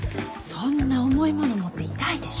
そんな重いもの持って痛いでしょ？